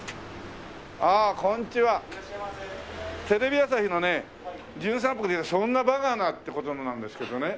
テレビ朝日のね『じゅん散歩』っていうそんなバーガーなって事のなんですけどね。